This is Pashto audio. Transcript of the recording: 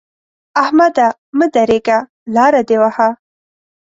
احمده! مه درېږه؛ لاره دې وهه.